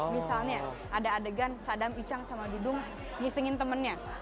misalnya ada adegan sadam icang sama dudung nyisingin temennya